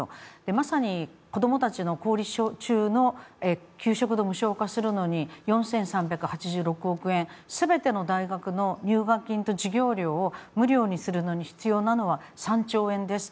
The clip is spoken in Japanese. まさに子供たちの公立の給食を無償化するのに４３８６億円全ての大学の入学金と授業料を無料にするのに必要なのは３兆円です。